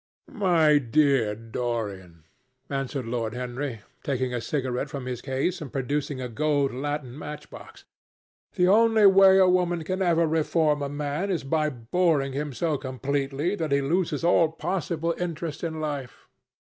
"My dear Dorian," answered Lord Henry, taking a cigarette from his case and producing a gold latten matchbox, "the only way a woman can ever reform a man is by boring him so completely that he loses all possible interest in life.